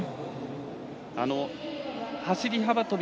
走り幅跳び